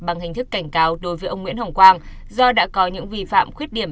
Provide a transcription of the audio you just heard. bằng hình thức cảnh cáo đối với ông nguyễn hồng quang do đã có những vi phạm khuyết điểm